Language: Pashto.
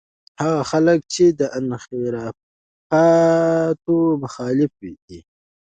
هغه خلک چې د انحرافاتو مخالف دي.